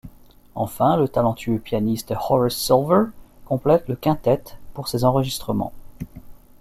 Enfin le talentueux pianiste Horace Silver complète le quintet pour ces enregistrements.